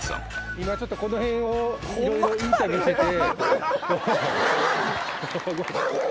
今この辺をいろいろインタビューしてて。